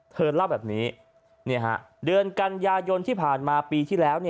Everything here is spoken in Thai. เธอเล่าแบบนี้เดือนกันยายนที่ผ่านมาปีที่แล้ว